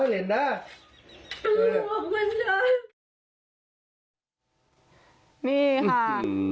ขึ้นใกล้ว่าไปไหนอ่ะพ่อ